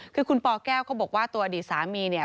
คือคุณปแก้วเขาบอกว่าตัวอดีตสามีเนี่ย